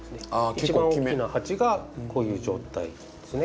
一番大きな鉢がこういう状態ですね。